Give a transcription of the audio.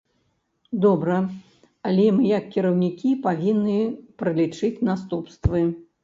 Добра, але мы, як кіраўнікі, павінны пралічыць наступствы.